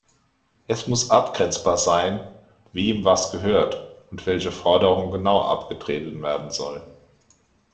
Es muss abgrenzbar sein, wem was gehört und welche Forderung genau abgetreten werden soll.